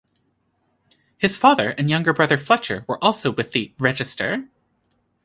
His father and younger brother Fletcher were also with the "Register".